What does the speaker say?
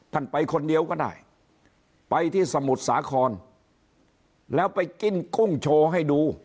ไปคนเดียวก็ได้ไปที่สมุทรสาครแล้วไปกินกุ้งโชว์ให้ดู